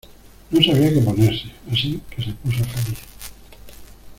No sabía que ponerse, asi que se puso feliz.